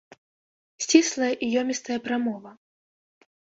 Сціслая і ёмістая прамова.